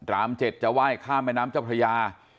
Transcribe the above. ราม๗จะไหว้ข้ามแม่น้ำเจ้าพระยา